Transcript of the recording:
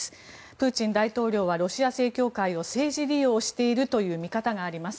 プーチン大統領はロシア正教会を政治利用しているという見方があります。